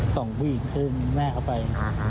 ต่องผู้หญิงเตือนแม่เค้าไป